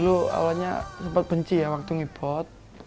kalau saya dulu awalnya sempat benci ya waktu ngibot